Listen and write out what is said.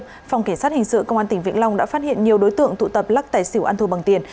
phòng kỳ sát hình sự công an tỉnh vĩnh long đã phát hiện nhiều đối tượng tụ tập lắc tài xỉu ăn thua bằng tiền